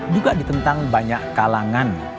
juga ditentang banyak kalangan